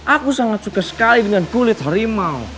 aku sangat suka sekali dengan kulit harimau